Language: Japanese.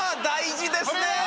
大事ですね！